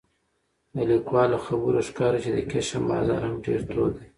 د لیکوال له خبرو ښکاري چې د کشم بازار هم ډېر تود دی